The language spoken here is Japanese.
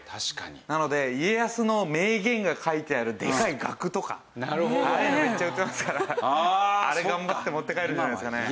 なので家康の名言が書いてあるでかい額とか。ああいうのめっちゃ売ってますから。あれ頑張って持って帰るんじゃないですかね。